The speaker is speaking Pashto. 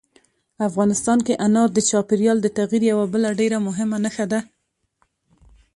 افغانستان کې انار د چاپېریال د تغیر یوه بله ډېره مهمه نښه ده.